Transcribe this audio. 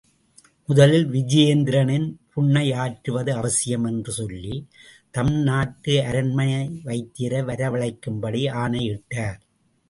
முதலில் விஜயேந்திரனின் புண்ணை ஆற்றுவது அவசியம், என்று சொல்லி, தம் நாட்டு அரண்மனை வைத்தியரை வரவழைக்கும் படி ஆணையிட்டார்.